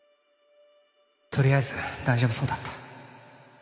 とりあえず大丈夫そうだった